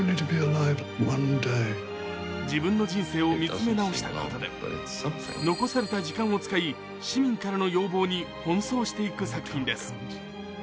自分の人生を見つめ直したことで残された時間を使い市民からの要望に奔走していく作品です。